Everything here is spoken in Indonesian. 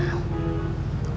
usaha memang wajib kita lakukan